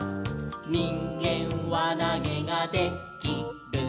「にんげんわなげがで・き・る」